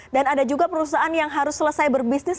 dan ada juga perusahaan yang harus selesai berbisnis